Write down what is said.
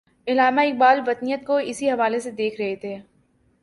علامہ اقبال وطنیت کو اسی حوالے سے دیکھ رہے تھے۔